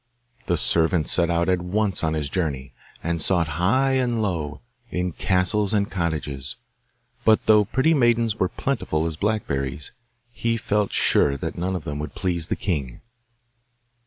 The servant set out at once on his journey, and sought high and low in castles and cottages; but though pretty maidens were plentiful as blackberries, he felt sure that none of them would please the king.